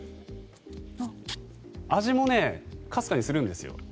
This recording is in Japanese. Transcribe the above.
味もかすかにするんですよ。